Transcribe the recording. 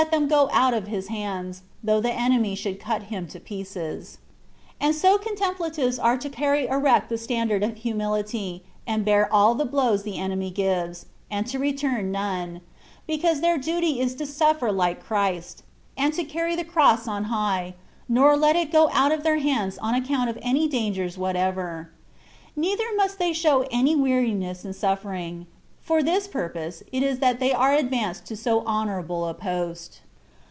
them go out of his hands^ though the enemy should cut him to pieces. And so contemplatives are to cany erect the standard of humihty, and bear all the blows the enemy gives, and to return none, because their duty is to suflFer Hke Christ, and to carry the cross on high, nor let it go out of their hands on account of any dangers what ever; neither must they show any weariness in suflFering ; for this purpose it is that they are ad vanced to so honourable a post.